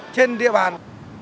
trên địa bàn